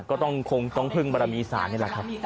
ก็ต้องคงต้องพึ่งบารมีสารนี่แหละครับ